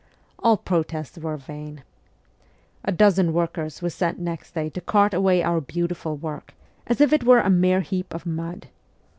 All protests were vain. A dozen workers were sent next day to cart away our beautiful work, as if it were a mere heap of mud